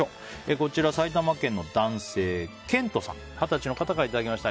埼玉県の男性二十歳の方からいただきました。